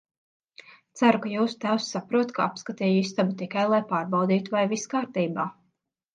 Ceru, ka jūsu tēvs saprot, ka apskatīju istabu tikai, lai pārbaudītu, vai viss kārtībā.